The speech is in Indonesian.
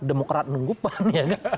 demokrat nunggu pan ya kan